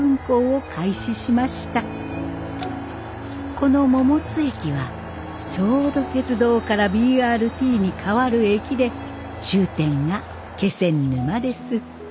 この桃津駅はちょうど鉄道からＢＲＴにかわる駅で終点が気仙沼です。